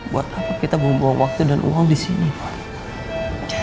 buat apa kita buang waktu dan uang di sini pak